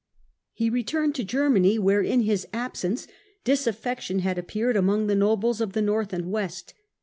He returned to Germany, where, in his absence, disaffection had appeared among the nobles of the north and west.